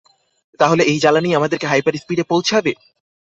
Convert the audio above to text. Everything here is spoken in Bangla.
তাহলে, এই জ্বালানিই আমাদেরকে হাইপার-স্পিডে পৌঁছাবে?